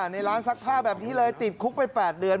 ในร้านซักผ้าแบบนี้เลยติดคุกไป๘เดือน